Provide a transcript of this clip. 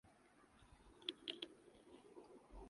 اللہ اللہ خیر سلا کم از کم جان تو محفوظ رہتی تھی۔